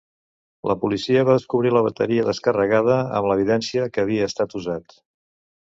La policia va descobrir la bateria descarregada, amb l'evidència que havia estat usat.